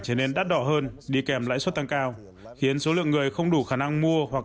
trở nên đắt đỏ hơn đi kèm lãi suất tăng cao khiến số lượng người không đủ khả năng mua hoặc